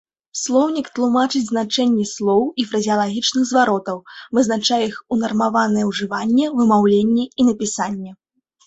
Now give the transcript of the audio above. Слоўнік тлумачыць значэнні слоў і фразеалагічных зваротаў, вызначае іх унармаванае ўжыванне, вымаўленне і напісанне.